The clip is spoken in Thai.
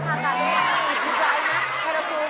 งานคอตรี